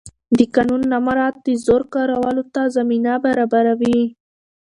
د قانون نه مراعت د زور کارولو ته زمینه برابروي